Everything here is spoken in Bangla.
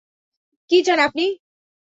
কি চান আপনি?